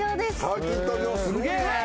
サーキット場すごいね。